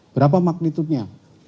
berapa magnitude nya